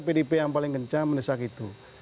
pdip yang paling kencang mendesak itu